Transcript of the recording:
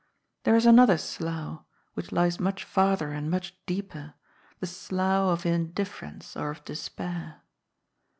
There is another slough, which lies much farther and much deeper, the slough of indifference or of despair.